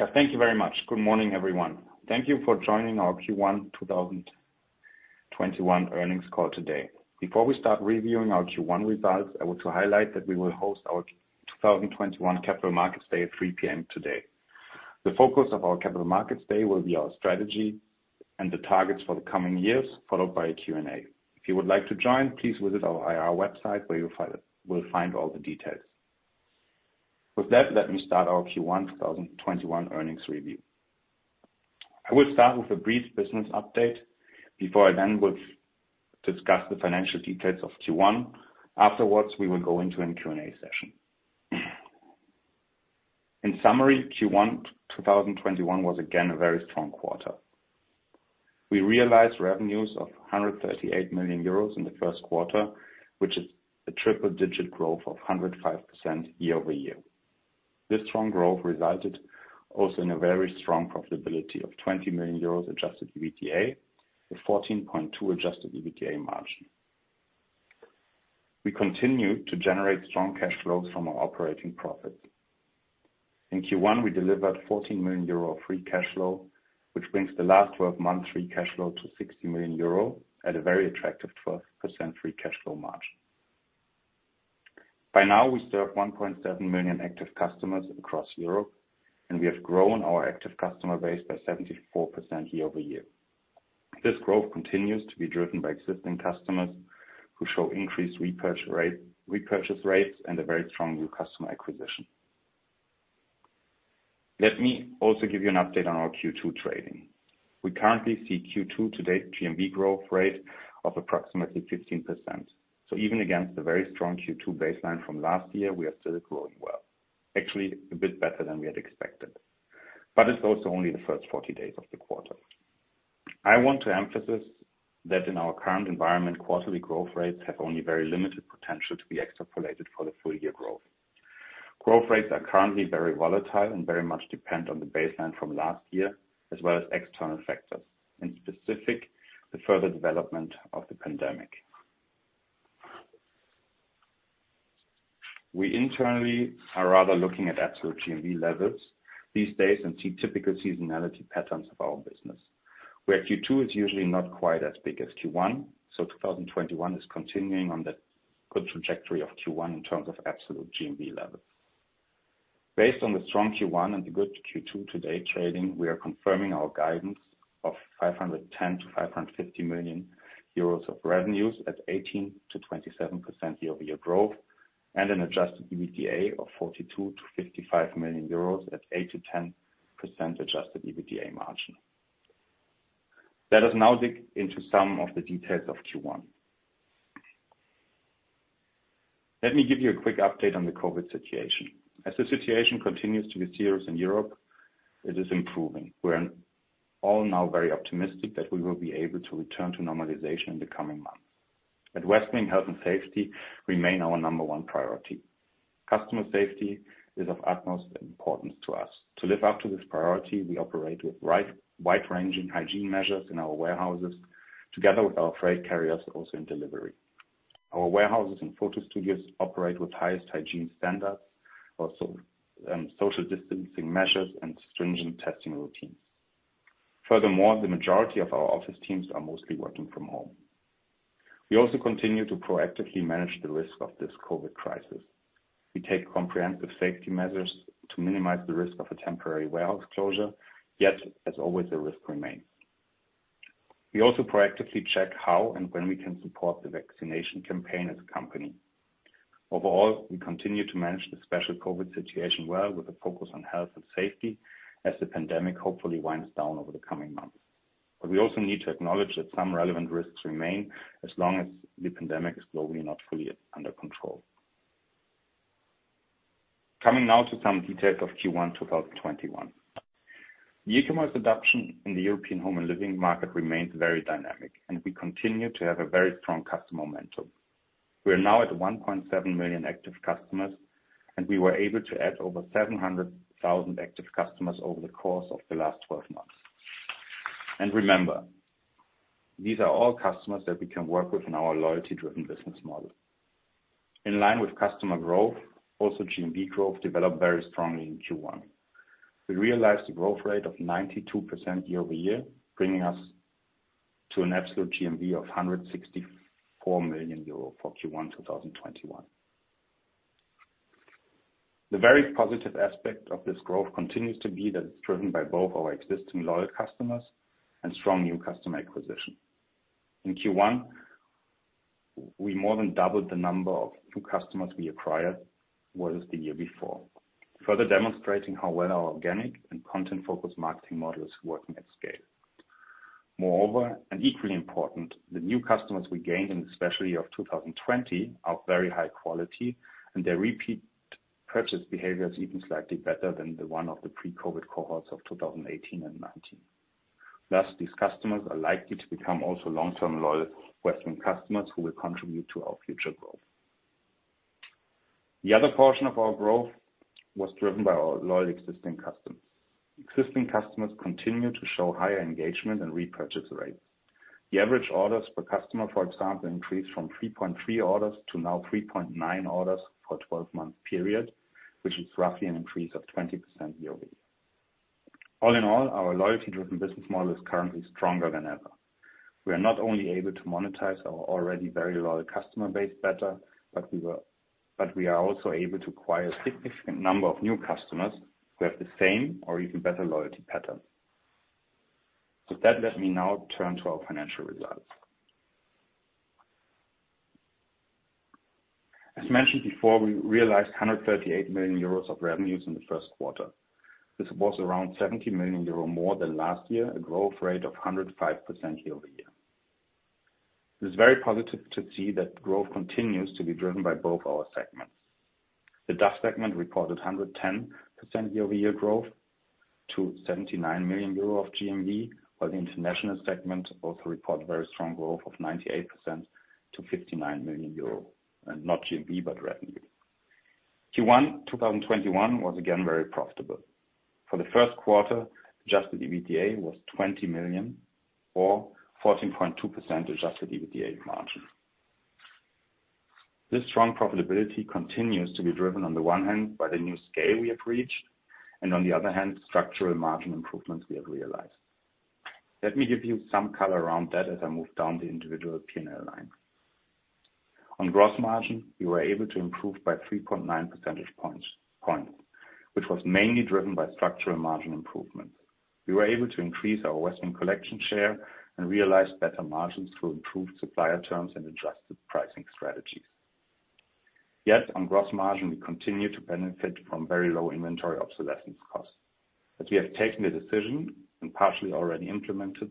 Yeah, thank you very much. Good morning, everyone. Thank you for joining our Q1 2021 earnings call today. Before we start reviewing our Q1 results, I want to highlight that we will host our 2021 Capital Markets Day at 3:00 P.M. today. The focus of our Capital Markets Day will be our strategy and the targets for the coming years, followed by a Q&A. If you would like to join, please visit our IR website, where you will find all the details. With that, let me start our Q1 2021 earnings review. I will start with a brief business update before I then will discuss the financial details of Q1. Afterwards, we will go into an Q&A session. In summary, Q1 2021 was again a very strong quarter. We realized revenues of 138 million euros in the first quarter, which is a triple digit growth of 105% year-over-year. This strong growth resulted also in a very strong profitability of 20 million euros adjusted EBITDA, with 14.2% adjusted EBITDA margin. We continue to generate strong cash flows from our operating profits. In Q1, we delivered 14 million euro of free cash flow, which brings the last 12 months free cash flow to 60 million euro at a very attractive 12% free cash flow margin. By now, we serve 1.7 million active customers across Europe, and we have grown our active customer base by 74% year-over-year. This growth continues to be driven by existing customers, who show increased repurchase rates, and a very strong new customer acquisition. Let me also give you an update on our Q2 trading. We currently see Q2 to date GMV growth rate of approximately 15%. Even against the very strong Q2 baseline from last year, we are still growing well. Actually, a bit better than we had expected, but it's also only the first 40 days of the quarter. I want to emphasize that in our current environment, quarterly growth rates have only very limited potential to be extrapolated for the full year growth. Growth rates are currently very volatile and very much depend on the baseline from last year, as well as external factors, in specific, the further development of the pandemic. We internally are rather looking at absolute GMV levels these days and see typical seasonality patterns of our business, where Q2 is usually not quite as big as Q1, so 2021 is continuing on that good trajectory of Q1 in terms of absolute GMV levels. Based on the strong Q1 and the good Q2 to date trading, we are confirming our guidance of 510 million-550 million euros of revenues at 18%-27% year-over-year growth, and an adjusted EBITDA of 42 million-55 million euros at 8%-10% adjusted EBITDA margin. Let us now dig into some of the details of Q1. Let me give you a quick update on the COVID situation. As the situation continues to be serious in Europe, it is improving. We're all now very optimistic that we will be able to return to normalization in the coming months. At Westwing, health and safety remain our number one priority. Customer safety is of utmost importance to us. To live up to this priority, we operate with wide-ranging hygiene measures in our warehouses, together with our freight carriers also in delivery. Our warehouses and photo studios operate with highest hygiene standards, and social distancing measures and stringent testing routines. Furthermore, the majority of our office teams are mostly working from home. We also continue to proactively manage the risk of this COVID crisis. We take comprehensive safety measures to minimize the risk of a temporary warehouse closure. As always, the risk remains. We also proactively check how and when we can support the vaccination campaign as a company. Overall, we continue to manage the special COVID situation well with a focus on health and safety as the pandemic hopefully winds down over the coming months. We also need to acknowledge that some relevant risks remain as long as the pandemic is globally not fully under control. Coming now to some details of Q1 2021. The e-commerce adoption in the European home and living market remains very dynamic, and we continue to have a very strong customer momentum. We are now at 1.7 million active customers, and we were able to add over 700,000 active customers over the course of the last 12 months. Remember, these are all customers that we can work with in our loyalty-driven business model. In line with customer growth, also GMV growth developed very strongly in Q1. We realized a growth rate of 92% year-over-year, bringing us to an absolute GMV of 164 million euro for Q1 2021. The very positive aspect of this growth continues to be that it's driven by both our existing loyal customers and strong new customer acquisition. In Q1, we more than doubled the number of new customers we acquired versus the year before. Further demonstrating how well our organic and content-focused marketing model is working at scale. Moreover, and equally important, the new customers we gained in the special year of 2020 are very high quality, and their repeat purchase behavior is even slightly better than the one of the pre-COVID cohorts of 2018 and 2019. Thus, these customers are likely to become also long-term loyal Westwing customers who will contribute to our future growth. The other portion of our growth was driven by our loyal existing customers. Existing customers continue to show higher engagement and repurchase rates. The average orders per customer, for example, increased from 3.3 orders to now 3.9 orders for a 12-month period, which is roughly an increase of 20% year-over-year. All in all, our loyalty-driven business model is currently stronger than ever. We are not only able to monetize our already very loyal customer base better, but we are also able to acquire a significant number of new customers who have the same or even better loyalty patterns. With that, let me now turn to our financial results. As mentioned before, we realized 138 million euros of revenues in the first quarter. This was around 70 million euro more than last year, a growth rate of 105% year-over-year. It is very positive to see that growth continues to be driven by both our segments. The DACH segment reported 110% year-over-year growth to 79 million euro of GMV, while the international segment also report very strong growth of 98% to 59 million euro, not GMV, but revenue. Q1 2021 was again, very profitable. For the first quarter, adjusted EBITDA was 20 million, or 14.2% adjusted EBITDA margin. This strong profitability continues to be driven, on the one hand, by the new scale we have reached and on the other hand, structural margin improvements we have realized. Let me give you some color around that as I move down the individual P&L line. On gross margin, we were able to improve by 3.9 percentage points, which was mainly driven by structural margin improvements. We were able to increase our Westwing Collection share and realize better margins through improved supplier terms and adjusted pricing strategies. Yet on gross margin, we continue to benefit from very low inventory obsolescence costs. As we have taken the decision, and partially already implemented,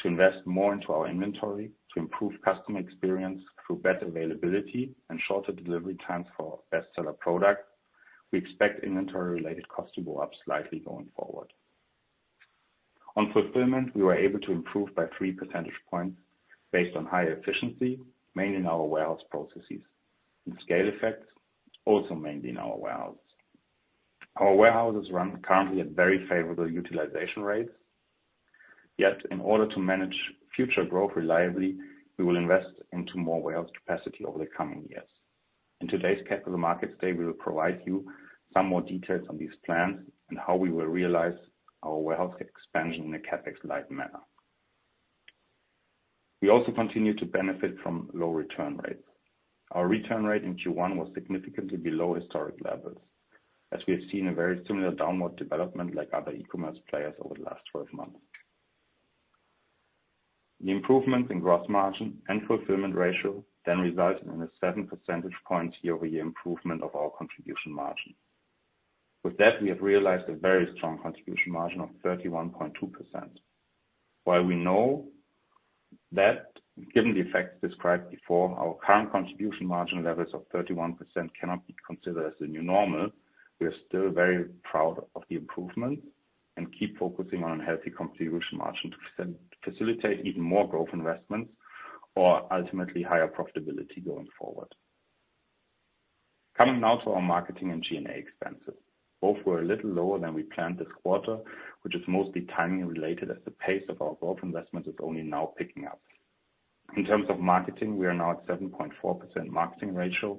to invest more into our inventory to improve customer experience through better availability and shorter delivery times for our best-seller product, we expect inventory-related costs to go up slightly going forward. On fulfillment, we were able to improve by three percentage points based on higher efficiency, mainly in our warehouse processes, and scale effects, also mainly in our warehouse. Our warehouses run currently at very favorable utilization rates. In order to manage future growth reliably, we will invest into more warehouse capacity over the coming years. In today's Capital Markets Day, we will provide you some more details on these plans and how we will realize our warehouse expansion in a CapEx-light manner. We also continue to benefit from low return rates. Our return rate in Q1 was significantly below historic levels, as we have seen a very similar downward development like other e-commerce players over the last 12 months. The improvements in gross margin and fulfillment ratio resulted in a seven percentage points year-over-year improvement of our contribution margin. With that, we have realized a very strong contribution margin of 31.2%. We know that given the effects described before, our current contribution margin levels of 31% cannot be considered as the new normal, we are still very proud of the improvement and keep focusing on a healthy contribution margin to facilitate even more growth investments or ultimately higher profitability going forward. Coming now to our marketing and G&A expenses. Both were a little lower than we planned this quarter, which is mostly timing related as the pace of our growth investments is only now picking up. In terms of marketing, we are now at 7.4% marketing ratio,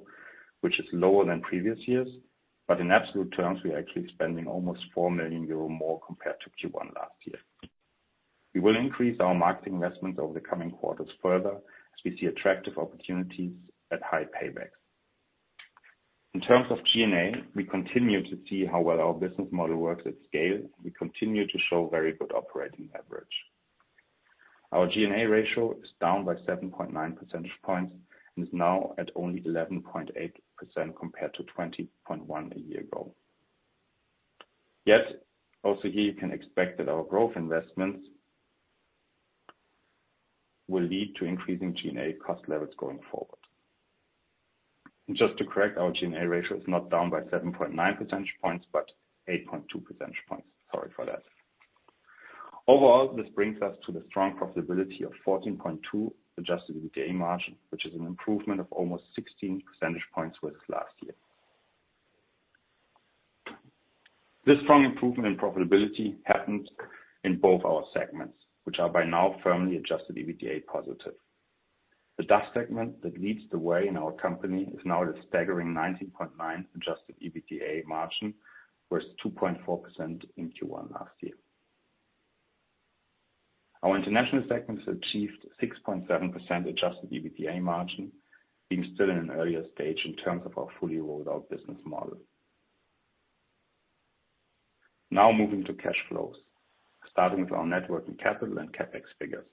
which is lower than previous years. In absolute terms, we are actually spending almost 4 million euro more compared to Q1 last year. We will increase our marketing investments over the coming quarters further as we see attractive opportunities at high paybacks. In terms of G&A, we continue to see how well our business model works at scale. We continue to show very good operating leverage. Our G&A ratio is down by 7.9 percentage points and is now at only 11.8% compared to 20.1% a year ago. Yet, also here, you can expect that our growth investments will lead to increasing G&A cost levels going forward. Just to correct, our G&A ratio is not down by 7.9 percentage points, but 8.2 percentage points. Sorry for that. Overall, this brings us to the strong profitability of 14.2% adjusted EBITDA margin, which is an improvement of almost 16 percentage points versus last year. This strong improvement in profitability happened in both our segments, which are by now firmly adjusted EBITDA positive. The DACH segment that leads the way in our company is now at a staggering 19.9% adjusted EBITDA margin, versus 2.4% in Q1 last year. Our international segments achieved 6.7% adjusted EBITDA margin, being still in an earlier stage in terms of our fully rolled out business model. Moving to cash flows, starting with our net working capital and CapEx figures.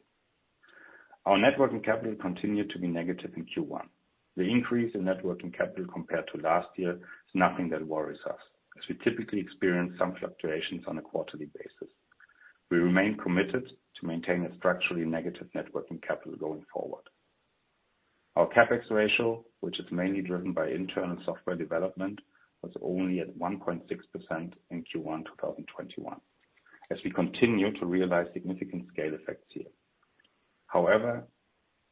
Our net working capital continued to be negative in Q1. The increase in net working capital compared to last year is nothing that worries us, as we typically experience some fluctuations on a quarterly basis. We remain committed to maintain a structurally negative net working capital going forward. Our CapEx ratio, which is mainly driven by internal software development, was only at 1.6% in Q1 2021, as we continue to realize significant scale effects here. However,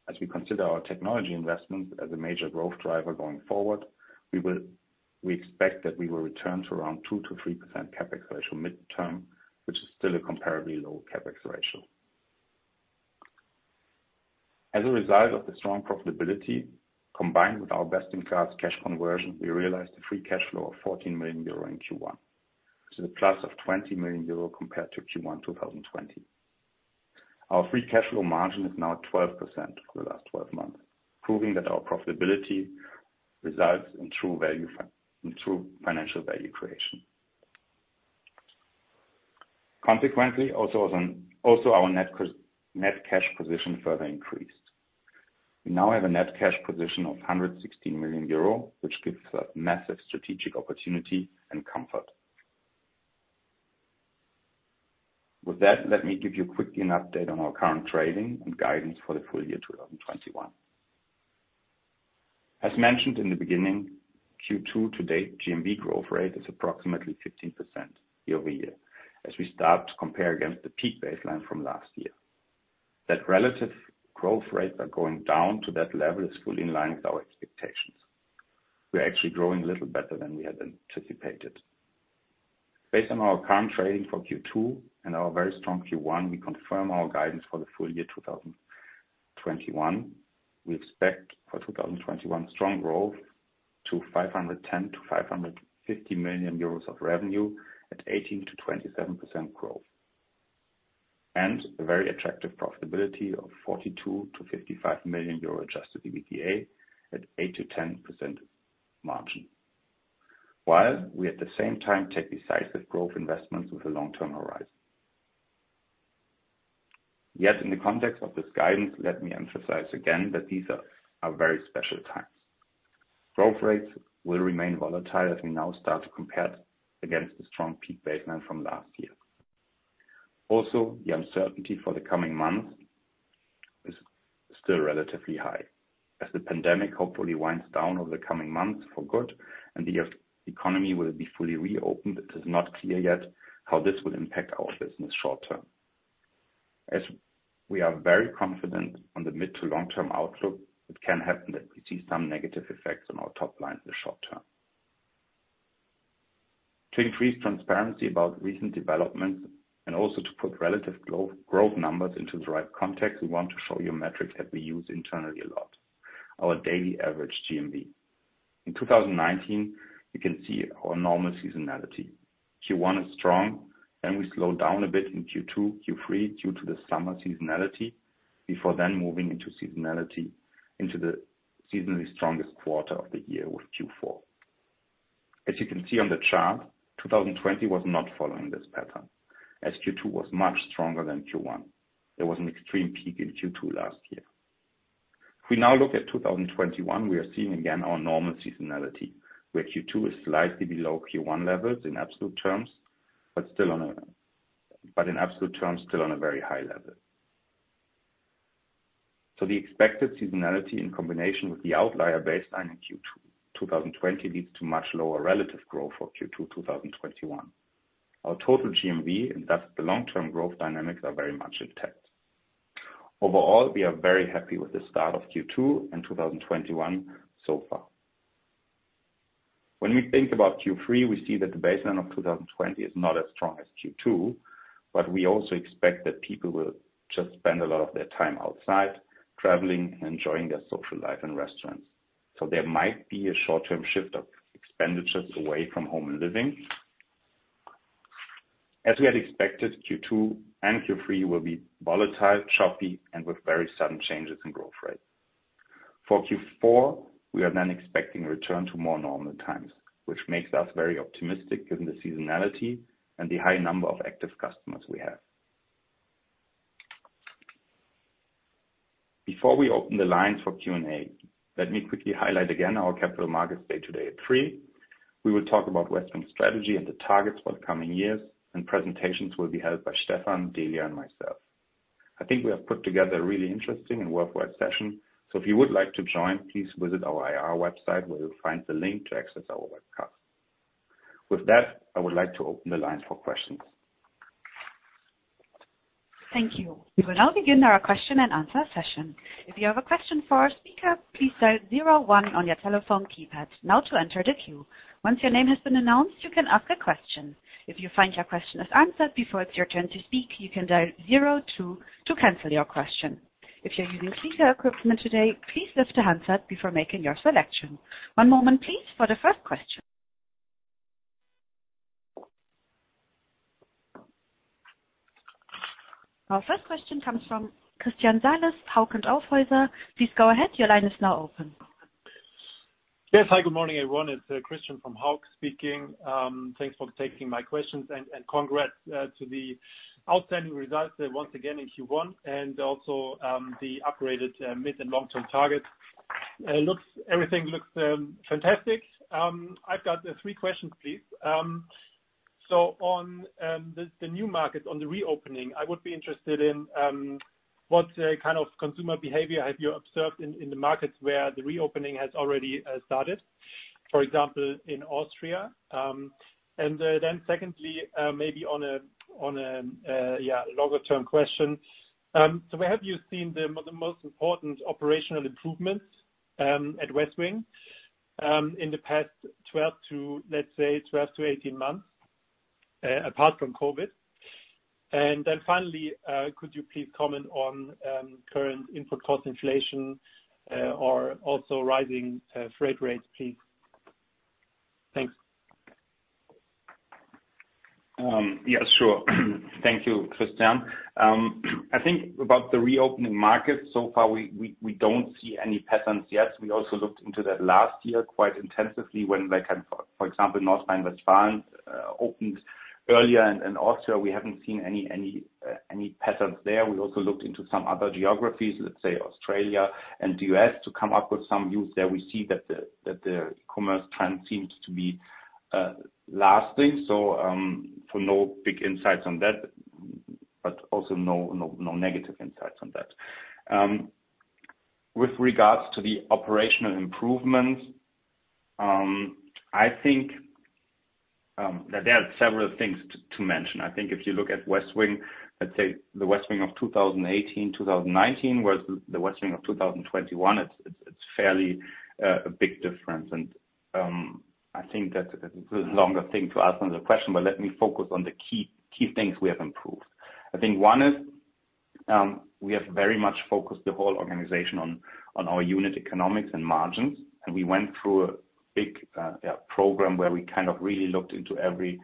as we consider our technology investments as a major growth driver going forward, we expect that we will return to around 2%-3% CapEx ratio midterm, which is still a comparably low CapEx ratio. As a result of the strong profitability, combined with our best-in-class cash conversion, we realized a free cash flow of 14 million euro in Q1, so the plus of 20 million euro compared to Q1 2020. Our free cash flow margin is now 12% for the last 12 months, proving that our profitability results in true financial value creation. Consequently, also our net cash position further increased. We now have a net cash position of 116 million euro, which gives us massive strategic opportunity and comfort. With that, let me give you quickly an update on our current trading and guidance for the full year 2021. As mentioned in the beginning, Q2 to date GMV growth rate is approximately 15% year-over-year, as we start to compare against the peak baseline from last year. That relative growth rates are going down to that level is fully in line with our expectations. We are actually growing a little better than we had anticipated. Based on our current trading for Q2 and our very strong Q1, we confirm our guidance for the full year 2021. We expect for 2021 strong growth to 510 million-550 million euros of revenue at 18%-27% growth. A very attractive profitability of 42 million-55 million euro adjusted EBITDA at 8%-10% margin. While we at the same time take decisive growth investments with a long-term horizon. Yet, in the context of this guidance, let me emphasize again that these are very special times. Growth rates will remain volatile as we now start to compare against the strong peak baseline from last year. The uncertainty for the coming months is still relatively high. The pandemic hopefully winds down over the coming months for good and the economy will be fully reopened, it is not clear yet how this will impact our business short term. We are very confident on the mid to long-term outlook, it can happen that we see some negative effects on our top line in the short term. To increase transparency about recent developments and also to put relative growth numbers into the right context, we want to show you a metric that we use internally a lot, our daily average GMV. In 2019, you can see our normal seasonality. Q1 is strong, then we slow down a bit in Q2, Q3, due to the summer seasonality, before then moving into the seasonally strongest quarter of the year with Q4. As you can see on the chart, 2020 was not following this pattern, as Q2 was much stronger than Q1. There was an extreme peak in Q2 last year. If we now look at 2021, we are seeing again our normal seasonality, where Q2 is slightly below Q1 levels in absolute terms, but in absolute terms still on a very high level. The expected seasonality in combination with the outlier baseline in Q2 2020 leads to much lower relative growth for Q2 2021. Our total GMV, and thus the long-term growth dynamics, are very much intact. Overall, we are very happy with the start of Q2 and 2021 so far. We think about Q3, we see that the baseline of 2020 is not as strong as Q2, we also expect that people will just spend a lot of their time outside, traveling, and enjoying their social life and restaurants. There might be a short-term shift of expenditures away from home and living. As we had expected, Q2 and Q3 will be volatile, choppy, and with very sudden changes in growth rates. For Q4, we are expecting a return to more normal times, which makes us very optimistic given the seasonality and the high number of active customers we have. Before we open the lines for Q&A, let me quickly highlight again our Capital Markets Day today at 3:00 P.M. We will talk about Westwing's strategy and the targets for the coming years, presentations will be held by Stefan, Delia, and myself. I think we have put together a really interesting and worthwhile session. If you would like to join, please visit our IR website where you'll find the link to access our webcast. With that, I would like to open the lines for questions. Thank you. We will now begin our question and answer session. One moment please for the first question. Our first question comes from Christian Salis, Hauck Aufhäuser Lampe. Please go ahead. Yes. Hi, good morning, everyone. It's Christian from Hauck speaking. Thanks for taking my questions, and congrats to the outstanding results once again in Q1, and also, the upgraded mid and long-term targets. Everything looks fantastic. I've got three questions, please. On the new markets, on the reopening, I would be interested in what kind of consumer behavior have you observed in the markets where the reopening has already started? For example, in Austria. Secondly, maybe on a longer-term question. Where have you seen the most important operational improvements at Westwing in the past, let's say, 12-18 months, apart from COVID? Finally, could you please comment on current input cost inflation or also rising freight rates, please? Thanks. Yeah, sure. Thank you, Christian. I think about the reopening markets, so far, we don't see any patterns yet. We also looked into that last year quite intensively when, for example, North Rhine-Westphalia opened earlier and Austria, we haven't seen any patterns there. We also looked into some other geographies, let's say Australia and the U.S., to come up with some news there. We see that the e-commerce trend seems to be lasting. No big insights on that, but also no negative insights on that. With regards to the operational improvements, I think that there are several things to mention. I think if you look at Westwing, let's say the Westwing of 2018, 2019 versus the Westwing of 2021, it's fairly a big difference, and I think that it's a longer thing to answer the question, but let me focus on the key things we have improved. I think one is, we have very much focused the whole organization on our unit economics and margins. We went through a big program where we really looked into every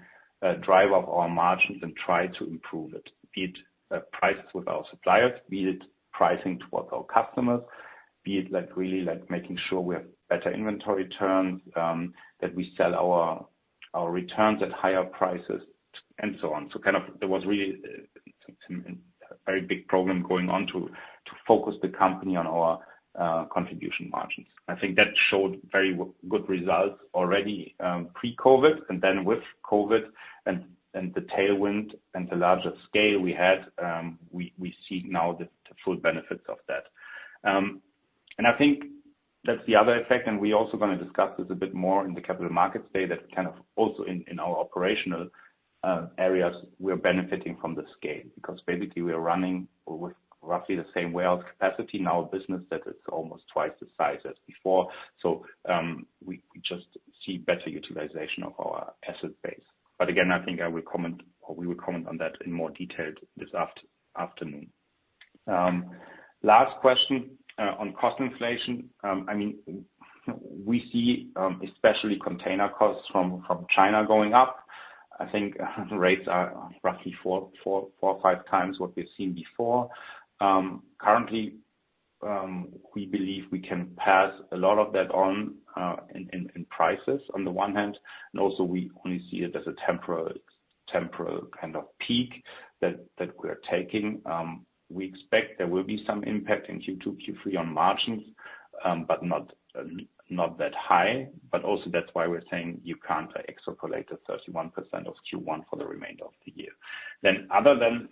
driver of our margins and tried to improve it. Be it prices with our suppliers, be it pricing towards our customers, be it really making sure we have better inventory terms, that we sell our returns at higher prices, and so on. There was really a very big program going on to focus the company on our contribution margins. I think that showed very good results already pre-COVID. With COVID and the tailwind and the larger scale we had, we see now the full benefits of that. I think that's the other effect, and we're also going to discuss this a bit more in the Capital Markets Day, that also in our operational areas, we are benefiting from the scale. Basically, we are running with roughly the same warehouse capacity now business that is almost twice the size as before. We just see better utilization of our asset base. Again, I think I will comment or we will comment on that in more detail this afternoon. Last question, on cost inflation. We see, especially container costs from China, going up. I think rates are roughly four or 5x what we've seen before. Currently, we believe we can pass a lot of that on in prices, on the one hand, and also we only see it as a temporal kind of peak that we are taking. We expect there will be some impact in Q2, Q3 on margins, not that high. Also, that's why we're saying you can't extrapolate the 31% of Q1 for the remainder of the year. Other than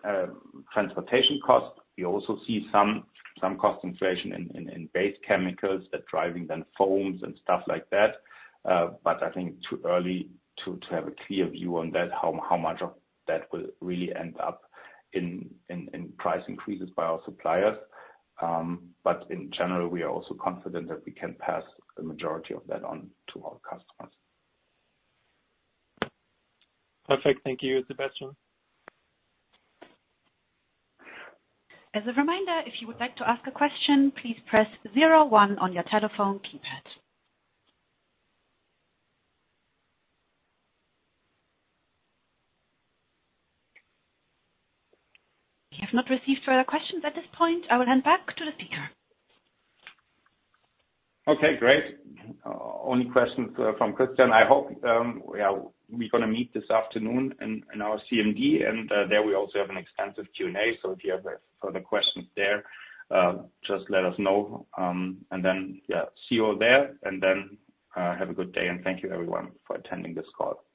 transportation costs, we also see some cost inflation in base chemicals that are driving then foams and stuff like that. I think it's too early to have a clear view on that, how much of that will really end up in price increases by our suppliers. In general, we are also confident that we can pass the majority of that on to our customers. Perfect. Thank you, Sebastian. As a reminder, if you would like to ask a question, please press 01 on your telephone keypad. We have not received further questions at this point. I will hand back to the speaker. Okay, great. Only questions from Christian. We are going to meet this afternoon in our CMD. There we also have an extensive Q&A. If you have further questions there, just let us know. Then, see you all there. Then have a good day. Thank you everyone for attending this call.